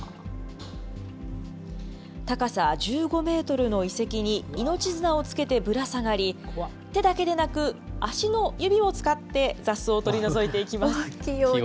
高さ１５メートルの遺跡に命綱をつけてぶら下がり、手だけでなく、足の指も使って雑草を取り除いていきます。